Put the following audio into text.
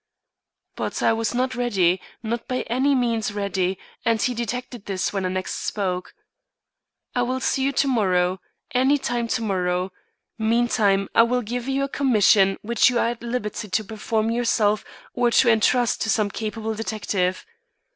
But I was not ready, not by any means ready, and he detected this when I next spoke. "I will see you to morrow; any time to morrow; meantime I will give you a commission which you are at liberty to perform yourself or to entrust to some capable detective.